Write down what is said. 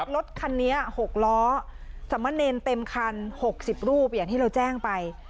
รถคันนี้๖ล้อสมเนรเต็มคัน๖๐รูปอย่างที่เราแจ้งไป